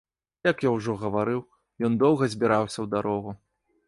Як я ўжо гаварыў, ён доўга збіраўся ў дарогу.